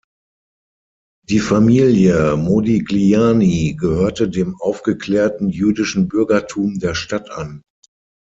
Die Familie Modigliani gehörte dem aufgeklärten jüdischen Bürgertum der Stadt an.